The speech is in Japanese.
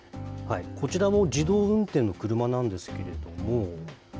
こちらも自動運転の車なんですけれども。